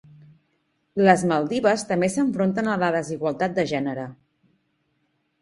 Les Maldives també s'enfronten a la desigualtat de gènere.